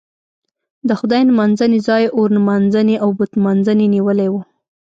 د خدای نمانځنې ځای اور نمانځنې او بت نمانځنې نیولی و.